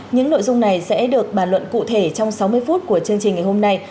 những nội dung này sẽ được bàn luận cụ thể trong sáu mươi phút của chương trình ngày hôm nay